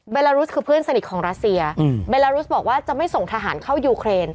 ลารุสคือเพื่อนสนิทของรัสเซียเบลารุสบอกว่าจะไม่ส่งทหารเข้ายูเครน